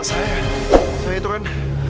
saya itu kan